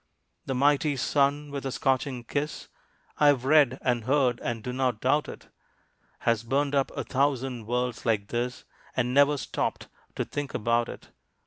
The mighty sun, with a scorching kiss (I have read, and heard, and do not doubt it) Has burned up a thousand worlds like this, And never stopped to think about it.